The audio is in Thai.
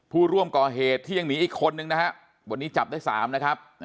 ผู้ร่วมก่อเหตุที่ยังหนีอีกคนนึงนะฮะวันนี้จับได้๓นะครับ